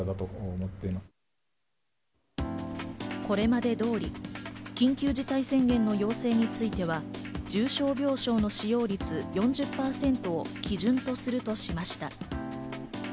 これまで通り緊急事態宣言の要請については重症病床の使用率４０％を基準とするとしました。